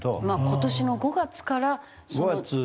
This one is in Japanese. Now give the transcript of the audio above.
まあ今年の５月からその。